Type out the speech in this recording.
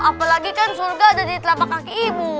apalagi kan surga ada di telapak kaki ibu